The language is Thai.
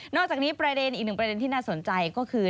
อกจากนี้ประเด็นอีกหนึ่งประเด็นที่น่าสนใจก็คือ